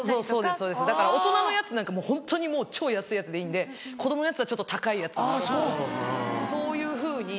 そうだから大人のやつなんかホントに超安いやつでいいんで子供のやつはちょっと高いやつとかそういうふうに。